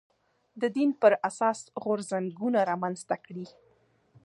د دین پر اساس غورځنګونه رامنځته کړي